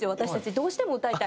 どうしても歌いたい。